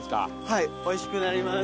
はいおいしくなります。